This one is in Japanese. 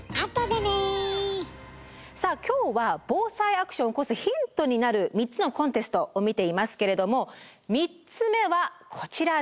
さあ今日は「ＢＯＳＡＩアクション」を起こすヒントになる３つのコンテストを見ていますけれども３つ目はこちらです。